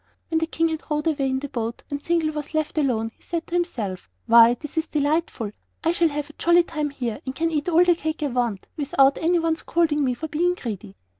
When the King had rowed away in the boat and Zingle was left alone, he said to himself: "Why, this is delightful! I shall have a jolly time here, and can eat all the cake I want, without any one scolding me for being greedy."